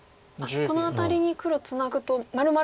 このアタリに黒ツナぐとまるまる。